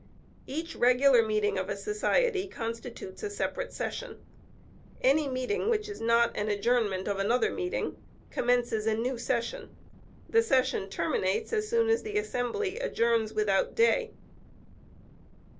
Each regular meeting of a society constitutes a separate session. Any meeting which is not an adjournment of another meeting, commences a new session; the session terminates as soon as the assembly "adjourns without day."